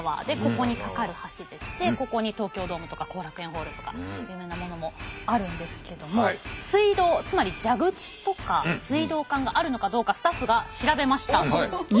でここにかかる橋でしてここに東京ドームとか後楽園ホールとか有名なものもあるんですけども水道つまり蛇口とか水道管があるのかどうかスタッフが調べました。